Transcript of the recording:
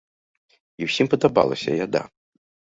І ўсім падабалася яда.